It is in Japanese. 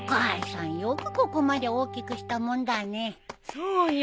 そうよ！